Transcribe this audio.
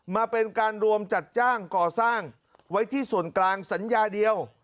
มาเป็นการรวมจัดจ้างก่อสร้างไว้ที่ส่วนกลางสัญญาเดียว